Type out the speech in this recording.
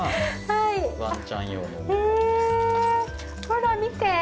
ほら、見て。